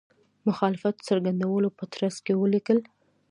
مخالفت څرګندولو په ترڅ کې ولیکل.